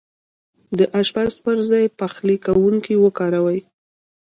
د اشپز پر ځاي پخلی کونکی وکاروئ